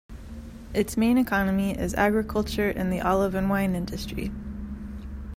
Its main economy is agriculture in the olive and wine industry.